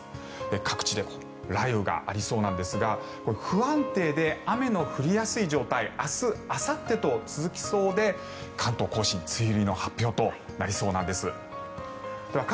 各地で雷雨がありそうなんですが不安定で雨の降りやすい状態明日あさってと続きそうで、関東・甲信は梅雨入りの発表となりそうなんです。